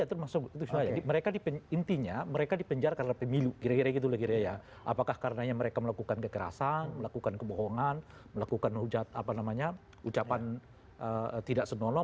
termasuk mereka di penjara mereka dipenjara karena pemilu kira kira gitu lah kira ya apakah karenanya mereka melakukan kekerasan melakukan kebohongan melakukan hujat apa namanya ucapan tidak senonoh